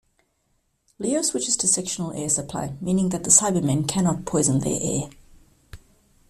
Leo switches to sectional air supply, meaning that the Cybermen cannot poison their air.